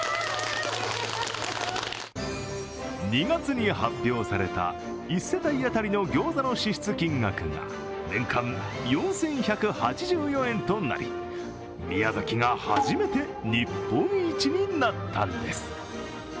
２月に発表された１世帯当たりのギョーザの支出金額が年間４１８４円となり宮崎が初めて日本一になったんです。